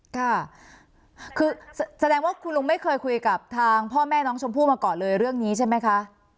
ค่ะคือแสดงว่าคุณลุงไม่เคยคุยกับทางพ่อแม่น้องชมพู่มาก่อนเลยเรื่องนี้ใช่ไหมคะ